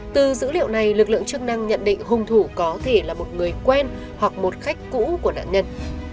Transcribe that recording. từ dữ liệu này lực lượng chức năng nhận định hung thủ có thể là một người quen hoặc một khách cũ của nạn nhân